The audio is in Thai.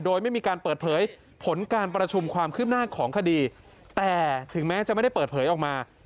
โดยไม่มีการเปิดเผยผลการประชุมความคืบหน้าของคดีแต่ถึงแม้จะไม่ได้เปิดเผยออกมา